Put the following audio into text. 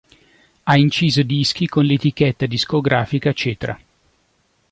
Ha inciso dischi con l'etichetta discografica Cetra.